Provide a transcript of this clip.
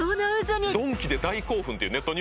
「ドンキで大興奮」ってネット